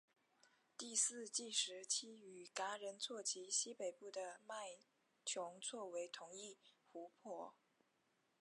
第四纪时期与嘎仁错及西北部的麦穷错为同一湖泊。